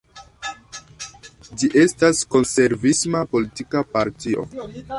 Ĝi estas konservisma politika partio.